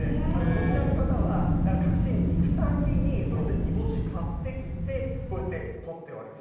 こちらの方は、各地に行くたんびに、そういった煮干しを買ってきて、こうやって取ってある。